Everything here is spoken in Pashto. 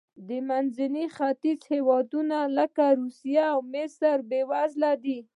د منځني ختیځ هېوادونه لکه سوریه او مصر بېوزله دي.